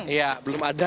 iya belum ada